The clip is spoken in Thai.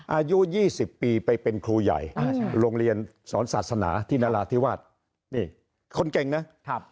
อายุ๒๐ปีไปเป็นครูใหญ่โรงเรียนสอนศาสนาที่นราธิวาสนี่คนเก่งนะ